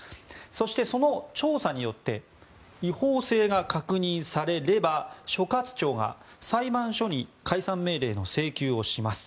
そして、その調査によって違法性が確認されれば所轄庁が裁判所に解散命令の請求をします。